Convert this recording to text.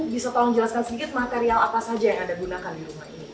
bisa tolong jelaskan sedikit material apa saja yang anda gunakan di rumah ini